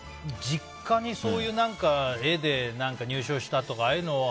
実家に、絵で入賞したとかああいうの。